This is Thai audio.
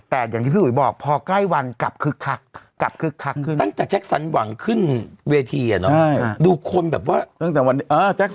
แต่อย่างที่พี่อุยบอกพอใกล้วันกลับคึกคัก